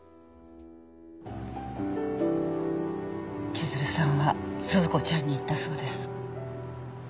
千鶴さんは鈴子ちゃんに言ったそうです。